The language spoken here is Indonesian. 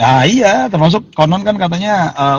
iya termasuk konon kan katanya